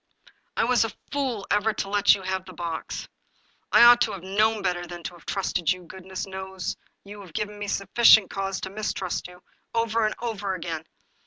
*' I was a fool ever to let you have the box! I ought to have known better than to have trusted you; goodness knows you have given me sufficient cause to mistrust you ! Over and over again